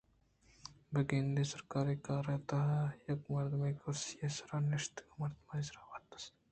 بہ گندے سرکاری کار ءِ تہا یک مردمے کرسی ءِ سرا نشتگ مردمانی سرا باوست مہ کنت